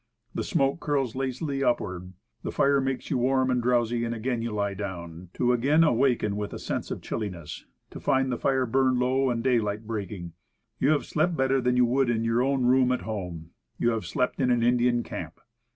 The smoke curls lazily upward; the fire makes you warm 30 Woodcraft. and drowsy, and again you lie down to again awaken with a sense of chilliness to find the fire burned low, and daylight breaking. You have slept better than you would in your own room at home. You have slept in an "Indian camp."